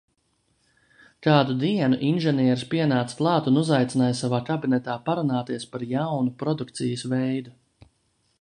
Kādu dienu inženieris pienāca klāt un uzaicināja savā kabinetā parunāties par jaunu produkcijas veidu.